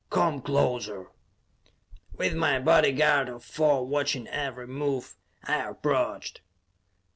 Come closer!" With my bodyguard of four watching every move, I approached.